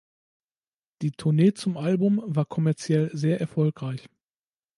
Die Tournee zum Album war kommerziell sehr erfolgreich.